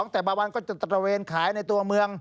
แต่บางวันก็จะตระเวนขายในตัวเมือง